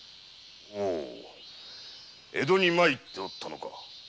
おう江戸に参っておったか。